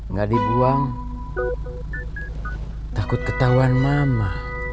nggak dibuang takut ketahuan mama